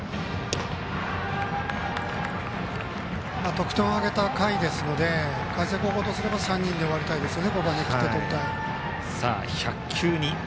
得点を挙げた回ですので海星高校とすれば３人で終わりたいですね、ここは。